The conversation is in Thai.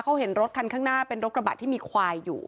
เขาเห็นรถคันข้างหน้าเป็นรถกระบะที่มีควายอยู่